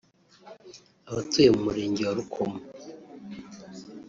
Abatuye mu murenge wa Rukomo